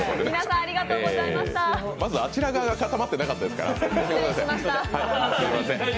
まずあちら側が固まってなかったですから。